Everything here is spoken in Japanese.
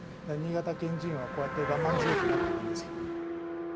新潟県人は、こうやって我慢強くなっていくんですよ。